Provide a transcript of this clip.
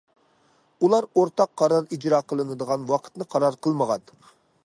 ئۇلار ئورتاق قارار ئىجرا قىلىنىدىغان ۋاقىتنى قارار قىلمىغان.